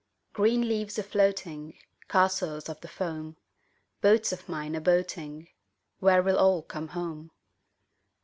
Green leaves a floating, Castles of the foam, Boats of mine a boating— Where will all come home?